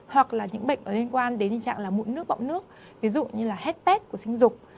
hoặc là những bệnh liên quan đến tình trạng là mụn nước bọng nước ví dụ như là hết tét của sinh dục